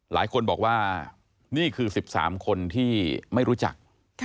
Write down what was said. หลายคนบอกว่านี่คือ๑๓คนที่ไม่รู้จัก